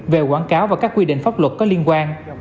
về quảng cáo và các quy định pháp luật có liên quan